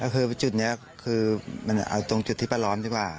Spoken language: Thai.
คือจุดนี้เอาในจุดที่ปลาร้อนดีกว่า